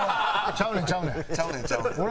ちゃうねんちゃうねん。